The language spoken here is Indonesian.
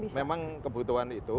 ya memang kebutuhan itu